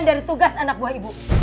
dari tugas anak buah ibu